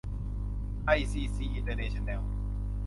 ไอ ซี ซี อินเตอร์เนชั่นแนล